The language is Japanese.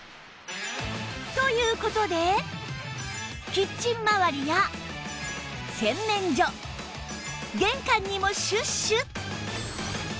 という事でキッチンまわりや洗面所玄関にもシュッシュッ